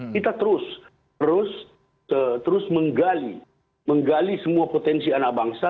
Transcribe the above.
kita terus terus menggali semua potensi anak bangsa